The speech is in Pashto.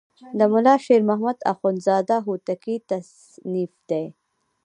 د ملا شیر محمد اخوندزاده هوتکی تصنیف دی.